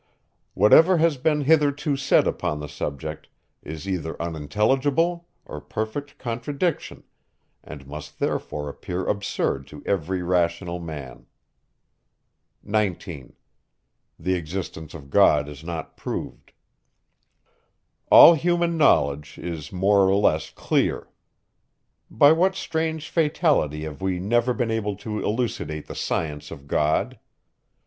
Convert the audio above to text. Whatever has been hitherto said upon the subject, is either unintelligible, or perfect contradiction, and must therefore appear absurd to every rational man. 19. All human knowledge is more or less clear. By what strange fatality have we never been able to elucidate the science of God?